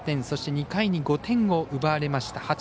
そして、２回に５点を奪われました。